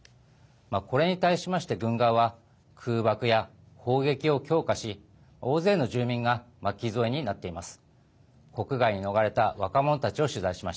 これに対しまして軍側は空爆や砲撃を強化し大勢の住民が巻き添えになっています。